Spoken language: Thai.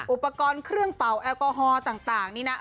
อุปกรณ์เครื่องเป่าแอลกอฮอลต่างนี่นะ